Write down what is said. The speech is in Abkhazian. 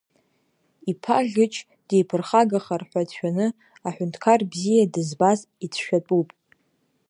Иԥа ӷьыч диԥырхагахар ҳәа дшәаны аҳәынҭқар бзиа дызбаз ицәшәатәуп.